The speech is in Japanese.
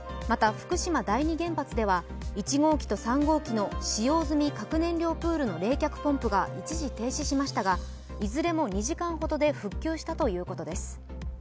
また福島第二原発では１号機と３号機の使用済み核燃料プールの冷却ポンプが一時停止しましたがいずれも２時間ほどで復旧したということです。